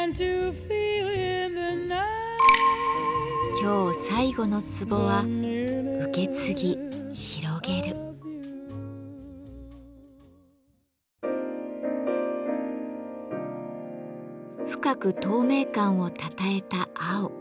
今日最後のツボは深く透明感をたたえた青。